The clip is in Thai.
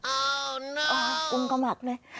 โอ้ไม่คุณก็หมัดเลย